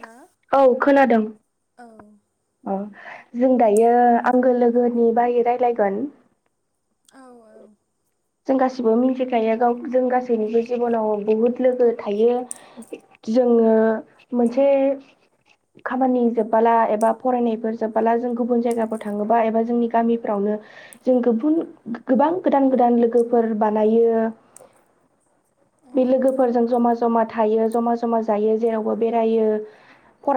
ना औ खोनादों। औ अ जों दायो आंगो लोगोनि बायै रायज्लायगोन। औ औ। जों गासिबो मिथिखायो गाव जों गासैनिबो जिब'नाव बुहुत लोगो थायो जोङो मोनसे खामानि जोबबोला एबा फरायनायफोर जोबबोला जों गुबुन जायगाफोराव थाङोबा एबा जोंनि गामिफ्रावनो जों गुबुन गोबां गोदान गोदान लोगोफोर बानायो। औ बे लोगोफोरजों जमा जमा था थायो जमा जमा जायो। जेरावबो बेरायो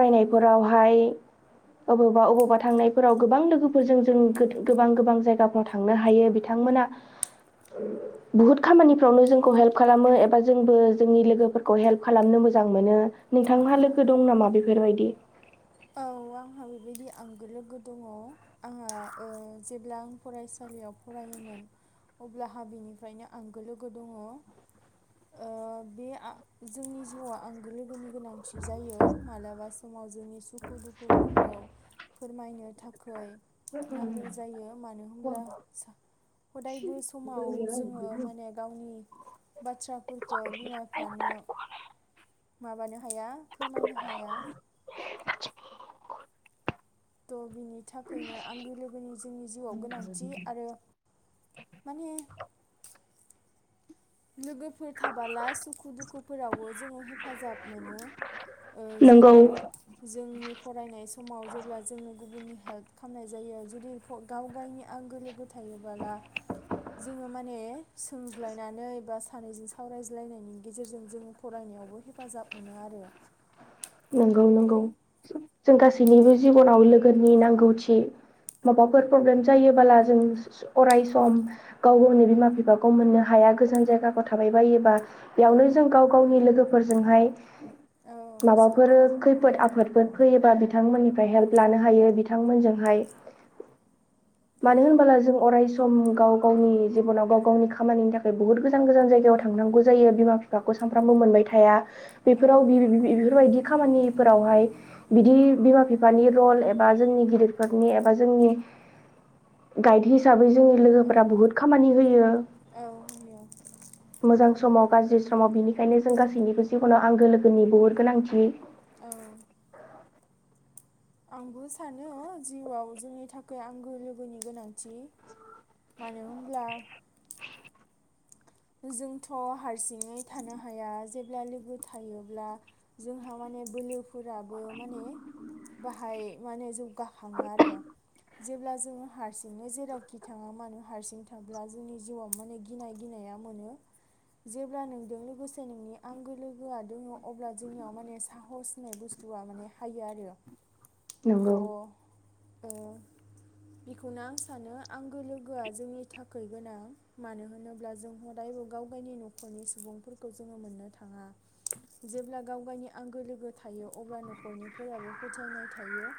औ अबावबा अबावबा थांनायफोराव गोबां लोगोफोरजों जों गो-गोबां गोबां जायगाफ्राव थां थांनो हायो बिथांमोना बुहुद खामानिफ्रावनो जोंखौ हेल्प खालामो ए बा जोंबो जोंनि लोगोफोरखौ हेल्प मोजां मोनो। औ नोंथांहा लोगो दं नामा बेफोरबायदि? औ आंहा बेबायदि लोगो दङ। आंहा ओ जेब्ला आं फरायसालियाव फरायोमोन। अब्ला हा बिनिफ्रायनो आंगो लोगो दङ। ओ बे आ जोंनि जिउआ आंगो लोगोनि गोनांथि जायो मालाबा समाव जोंनि सुखु दुखुफोरखौ फोरमायनो थाखाय नांगौ जायो मानो होमब्ला सा हदायबो समाव जोङो माने गावनि बाथ्राफोरखौ बिमा-फिफानो माबानो हाया फोरमायनो हाया। त' बिनि थाखायनो आंगो लोगोनि जोंनि जिउआव गोनांथि आरो माने लोगोफोर थाबाला सुखु दुखुफोरावबो जोङो हेफाजाब मोनो। ओ नंगौ जेरै जोंनि फरायनाय समाव जेब्ला जोंनो गुबुननि हेल्प खालामनाय जायो जुदि गाव गावनि आंगो लोगो थायोबाला जोङो माने सोंज्लायनानै बा सानैजों सावरायज्लायनायनि गेजेरजों जों फरायनायावबो हेफाजाब मोनो आरो थ' नंगौ नंगौ बेनो जों गासैनिबो जिबनाव लोगोनि नांगौथि। माबाफोर प्रब्लेम जायोबाला जों अराय सम गाव गावनि बिमा-फिफाखौ मोननो हाया गोजान जायगाखौ थाबायबायोबा। औ बेयावनो जों गाव गावनि लोगोफोरजोंहाय औ सेयार माबाफोर खालामनो खैफोद हायो आफोदफोर फैयोबा बिथांमोननिफ्राय हेल्प लानो हायो बिथांमोनजोंहाय। मानो औ होनबला जों अराय सम गाव गावनि जिबनाव गाव गावनि खामानिनि थाखाय बुहुद गोजान गोजान जायगायाव थांनांगौ जायो बिमा फाखौ सानफ्रामबो मोनबाय थाया औ बेफोराव बे-बे-बेफोरबायदि खामानिफोरावहाय बिदि बिमा-फिफानि रल एबा जोंनि गिदिरफोरनि एबा जोंनि गाइड हिसाबै जोंनि औ लोगोफोरा बुहुत खामानि होयो। [unintelligible] मोजां समाव गाज्रि समाव बिनिखायनो जों गासैनिबो जिबनाव आंगो लोगोनि बहुद गोनांथि। औ आंबो सानो जिउआव जोंनि थाखाय आंगो लोगोनि गोनांथि। मानो होमब्ला जोंथ' हारसिङै थानो हाया जेब्ला लोगो थायोब्ला जोंहा माने बोलो फोराबो माने बाहाय माने जौगाखाङो आरो जेब्ला जोङो हारसिंनो जेरावखि थाङा मानो हारसिं थाब्ला जोंनि जिउआव माने गिनाय गिनाया मोनो जेब्ला नोंजों लोगोसे नोंनि आंगो लोगोआ दङ अब्ला जोंनियाव माने साहस होननाय बुस थुवा माने हायो आरो थ नंगौ ओ बेखौनो आं सानो आंगो लोगोआ जोंनि थाखाय गोनां मानो होनोब्ला जों हर दायबो गाव गायनि न'खरनि सुबुंफोरखौ जोङो मोननो थाङा। जेब्ला गाव गावनि आंगो लोगो थायो अब्ला न'खरनिफोराबो फोथायनाय थायो।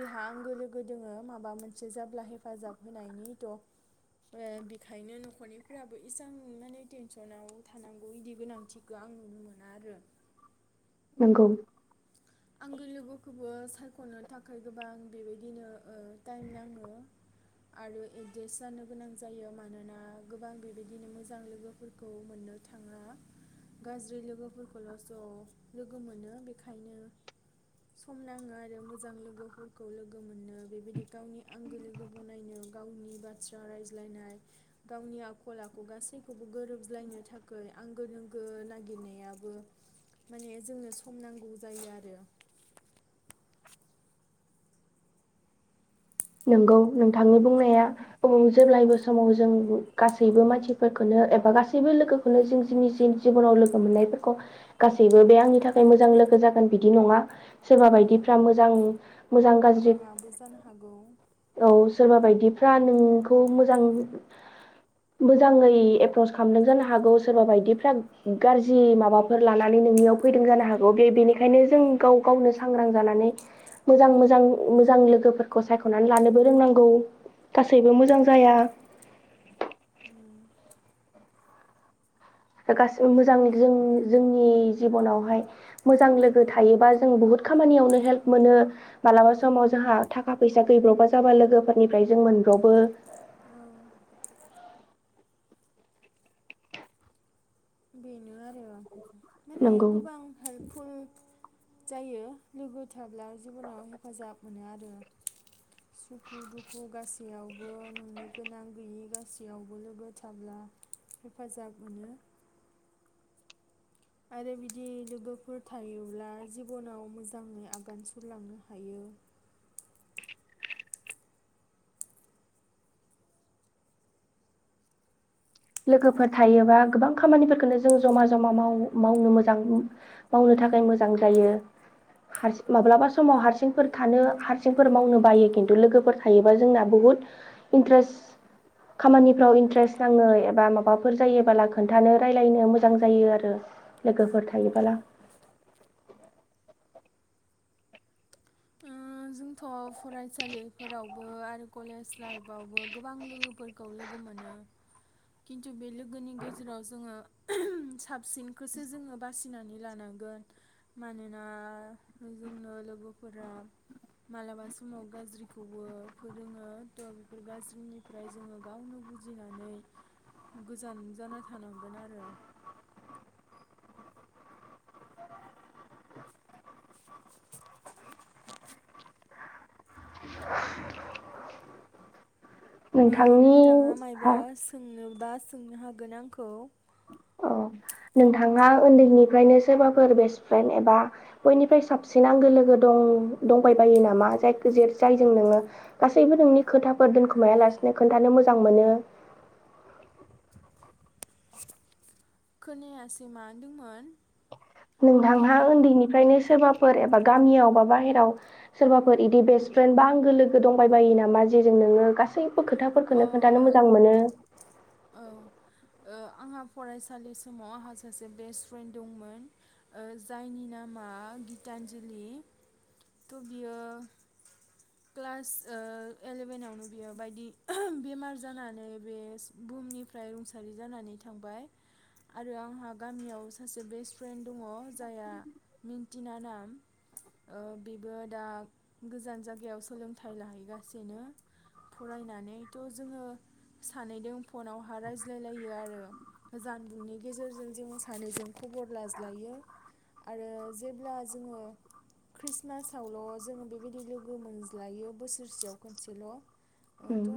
बेहा आंगो लोगो दोङो माबा मोनसे जाब्ला हेफाजाब होनायनिथ' ओ बेखायनो न'खरनिफोराबो इसां इमानै टेनसनाव थानांगौ इदि गोनांथिखो आं नुनो मोना आरो नोंगौ। आंगो लोगोखौबो सायख'नो थाखाय गोबां बेबायदिनो ओ टाइम नाङो। आरो एडजासट जानो गोनां जायो। मानोना गोबां बेबायदिनो मोजां लोगो फोरखौ मोननो थाङा। गाज्रि लोगोफोरखौल' ज' लोगो मोनो बेखायनो सम नाङो आरो मोजां लोगोफोरखौ लोगो मोननो, बेबायदि गावनि आंगो लोगो बनायनो। गावनि बाथ्रा रायज्लायनाय गावनि आखल आखु गासैखौबो गोरोबज्लायनो थाखै आंगो लोगो नागिरनायाबो माने जोंनो सम नांगौ जायो आरो। नंगौ नोंथांनि बुंनाया औ जेब्लायबो समाव जों गासैबो मानसिफोरखौनो एबा गासैबो लोगो खौ जों जोंनि जि-जिबनाव लोगो मोननायफोरखौ गासैबो बे आंनि थाखाय मोजां लोगो जागोन बिदि नङा। सोरबा औ बायदिफ्रा मोजां मोजां गाज्रि नङाबो जानो हागौ। औ सोरबा बायदिफ्रा नोंखौ मोजां मोजाङै एप्रस खालामदों जानो हागौ, सोरबा बायदिफ्रा गाज्रि माबाफोर लानानै नोंनियाव फैदों जानो हागौ। बे बेनिखायनो जों गाव गावनो सांग्रां जानानै मोजां मोजां मोजां लोगोफोरखौ सायख' खनानै लानोबो रोंनांगौ गासैबो मोजां जाया। उम, गासैबो मोजां जों-जोंनि जिबनावहाय मोजां लोगो थायोबा जों बहुद खामानियावनो हेल्प मोनो। औ मालाबा समाव जोंहा थाखा फैसा गैब्रबा जाबा लोगोफोरनिफ्राय जों मोनब्रबो। औ। बेनो आरो, माने नंगौ गोबां हेल्प फुल जायो। लोगो थाब्ला जिबनाव हेफाजाब मोनो आरो। सुखु दुखु गासैयावबो नोंनि गोनां गैयि गासैयावबो लोगो थाब्ला हेफाजाब मोनो। आरो बिदि लोगोफोर थायोब्ला जिबनाव मोजाङै आगान सुरलांनो हायो। लोगोफोर थायोबा गोबां खामानिफोरखोनो जों जमा जमा माव-मावनो मोजां मावनो थाखाय ओं मोजां जायो। हारसिं माब्लाबा समाव हारसिंफोर थानो हारसिंफोर मावनो बायो, खिन्थु लोगोफोर थायोबा जोंना बुहुत इन्टारेस खामानिफ्राव इन्टारेस नाङो ए बा माबाफोर जायोबोला खोन्थानो जायो आरो लोगोफोर थायोबोला। जोंथ' फरायसालिफोरावबो आरो कलेज लाइफावबो गोबां लोगोफोर खौ लोगो मोनो। खिन्थु बे लोगोनि गेजेराव जोङो साबसिनखौसो जोङो बासिनानै लानांगोन। मानोना जोंनो लोगोफोरा मालाबा समाव गाज्रिखौबो फोरोङो थ' बेफोर गाज्रिनिफ्राय जोङो गावनो बु जिनानै गोजान जाना थानांगोन आरो। ओ नोंथांनि नोंथाङा मायबा हा सोंनोबा सोंनो हागोन आंखौ। नोंथांना उन्दैनिफ्रायनो सोरबाफोर बेस्ट फ्रेन्ड एबा बयनिफ्राय साबसिन आंगो लोगो दं दंबायबायो नामा? जायखि जा जायजों नोङो गासैबो नोंनि खोथाफोर दोनखुमायालासिनो खोन्थानो मोजां मोनो। खोनायासै मा होनदोंमोन? नोंथांहा बुंफिन उन्दैनिफ्रायनो सोरबाफोर एबा गामियाव बा बाहेराव सोरबाफोर इदि बेस्ट फ्रेन्ड बा आंगो लोगो दंबायबायो नामा जेजों नोङो गासैबो खोथा अ फोरखोनो औ खोन्थानो मोजां मोनो। औ। ओ आंहा फरायसालि समाव आंहा सासे बेस्ट फ्रेन्ड दंमोन। जायनि नामा गितानजलि थ' बियो क्लास ओ एलेभेनावनो बियो बायदि बेमार जानानै बेस बुहुमनिफ्राय रुंसारि जानानै थांबाय। आरो आंहा गामियाव सासे बेस्ट फ्रेन्ड दङ जाया मिन्थिना नाम ओ बेबो दा गोजान जागायाव सोलोंथाइ लाहैगासिनो। फरायनानैथ' जोङो सानैदों फनावहा रायज्लायलायो आरो। जानबुंनि गेजेरजों जों सानैजों खबर लाज्लायो। आरो जेब्ला जोङो खृस्टमासावल' जोङो बेबायदि लोगो मोनज्लायो बोसोरसेयाव खनसेल'। ओ थ'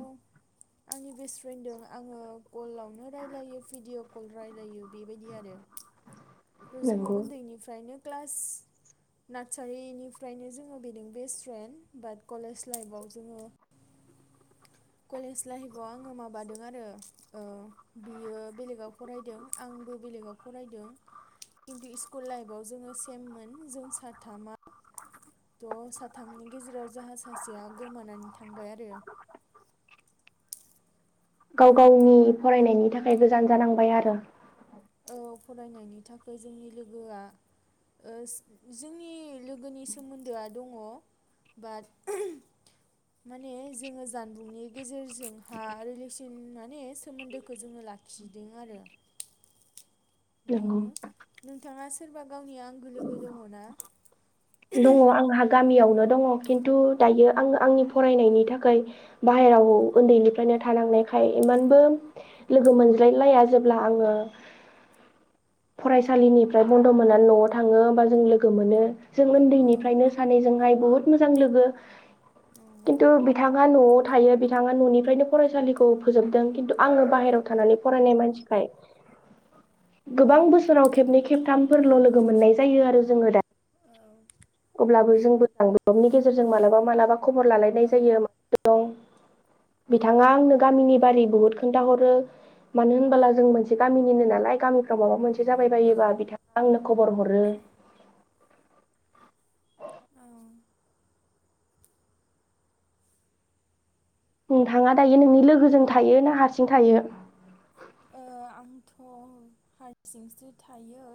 आंनि बेस्ट फ्रेन्डदों आङो कलावनो रायलायो भिडिअ कल रायलायो बेबायदि आरो। [inaudible] थ' जोङो उन्दैनिफ्रायनो क्लास नादचारिनिफ्रायनो जोङो बेदों बेस्ट फ्रेन्ड बाथ कलेज लाइफआव जोङो कलेज लाइफआव आङो माबादों आरो बियो बेलेगाव फरायदों आंबो बेलेगाव फरायदों खिन्थु इस्कुल लाइफआव जोङो सेममोन जों साथामा थ साथामनि गेजेराव जोहा सासेया गोमानानै थांबाय आरो। गाव गावनि फरायनायनि थाखाय गोजान जानांबाय आरो। औ फरायनायनि थाखाय जोंनि लोगोआ ओस जोंनि लोगोनि सोमोन्दोआ दङ बाथ माने जोङो जानबुंनि गेजेरजोंहा रिलेसन माने सोमोन्दोखौ जोङो लाख खिदों आरो। नंगौ बेनो नोंथाङा सोरबा गावनि आंगो लोगो दङ ना? दङ आंहा गामियावनो दङ खिन्थु दायो आङो आंनि फरायनायनि थाखै बाहेराव ओन्दैनिफ्रायनो थानांनायखाय इमानबो लोगो मोनज्लायलाया जेब्ला आङो फरायसालिनिफ्राय बन्द' मोननानै न'आव थाङो ओमबा जों लोगो मोनो। जों औ ओन्दैनिफ्रायनो सानैजोंहाय बुहुत मोजां लोगो। औ खिन्थु बिथाङा न'आव थायो बिथाङा न'निफ्रायनो फरायसालिखौ फोजोबदों खिन्थु आङो बाहेरायाव थानानै फरायनाय मानसिखाय औ गोबां बोसोराव खेबनै खेबथामफोरल' लोगो मोननाय जायो आरो जोङो दा अब्लाबो जोंबो जानबुंनि गेजेरजों मालाबा मालाबा खबर औ लालायनाय जायो [unintelligible] दं। बिथाङा आंनो गामिनि बारै बुहुद खिन्थाहरो। मानो होनबोला जों मोनसे गामिनिनो नालाय गामि खा सोरबा माबा मोनसे जाबाय औ बायोबा बिथाङा आंनो खबर हरो। औ नोंथाङा दायो नोंनि लोगोजों थायो ना हारसिं थायो? ओ आंथ' हारसिंसो थायो।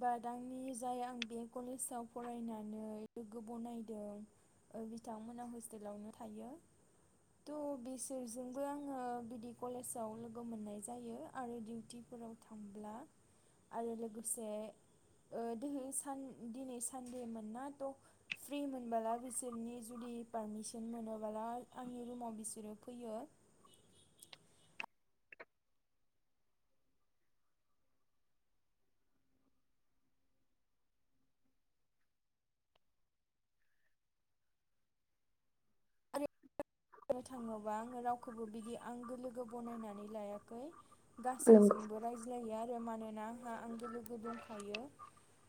बादांनि जाय आं बे कलेजाव फरायनानै लोगो बनायदों। ओ बिथांमोना हस्टेलावनो थायो। थ' बिसोरजोंबो आङो बिदि कलेजाव लोगो मोननाय जायो आरो डिउटिफोराव थांब्ला आरो लोगोसे ओ दिहै सान दिनै सानदे मोननाथ'। फ्रि मोनबोला बिसोरनि जुदि पारमिसन मोनोबोला आंनि रुमाव बिसोरो फैयो। बुंनो थाङोबा आङो रावखौबो बिदि आंगो लोगो बनायनानै लायाखै नंगौ गासैजोंबो रायज्लायो आरो मानोना आंहा आंगो लोगो दंखायो।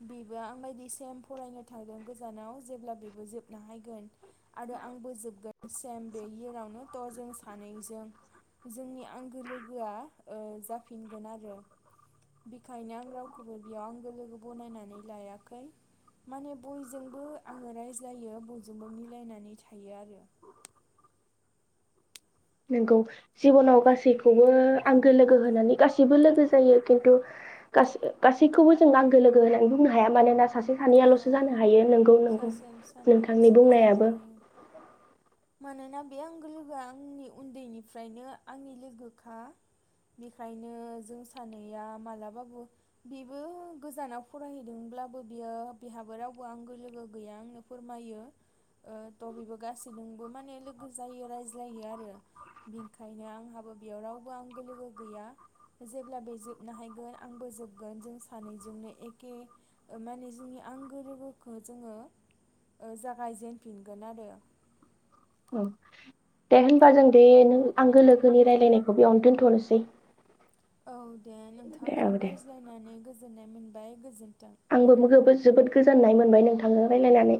बेबो आं बायदि सेम फरायनो थांदों गोजानाव जेब्ला बेबो जोबना हायगोन आरो आंबो जोबगोन। बेनि उनावनोथ' जों सानैजों जोंनि आंगो लोगोआ ओ जाफिनगोन आरो। बेखायनो आं रावखौबो बेयाव आंगो लोगो बनायनानै लायाखै। माने बयजोंबो आङो रायज्लायो बयजोंबो मिलायनानै थायो आरो। नोंगौ जिबनाव गासैखौबो आंगो लोगो होन्नानै गासै गासिबो लोगो जायो खिन्थु गासै-गासैखौबो जों आंगो लोगो होननानै बुंनो हाया मानोना सासे सानैयाल'सो औ जानो हायो नोंगौ नोंगौ सासेल नोंथांनि सानैयाल'सोल' जानो बुंनायाबो। हायो मानोना बे आंगो लोगोआ आंनि उन्दैनिफ्रायनो आंनि लोगोखा। बेखायनो जों सानैया मालाबाबो बेबो गोजानाव फरायहैदोंब्लाबो बियो बेहाबो रावबो आंगो लोगो गैया आंनो फोरमायो ओ थ' बेबो गासै जोंबो माने लोगो जायो रायज्लायो आरो। बेंखायनो आंहाबो बेयाव रावबो आंगो लोगो गैया। जेब्ला बे जोबनो हायगोन आंबो जोबगोन जों सानैजोंनो एखे ओ माने जोंनि आंगो लोगोखौ जोङो जागायजेनफिनगोन आरो। दे होनबा जों दे नों आंगो लोगोनि रायलायनायखौ बेयावनो दोनथ'नोसै। औ दे दे औ नोंथांजों दे रायज्लायनानै गोजोननाय मोनबाय गोजोन्थों। आंबो जोबोद गोजोननाय मोनबाय नोंथांजों रायलायनानै।